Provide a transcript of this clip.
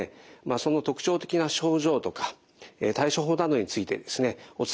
その特徴的な症状とか対処法などについてですねお伝えできればと思います。